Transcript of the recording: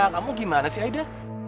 kamu gimana sih aida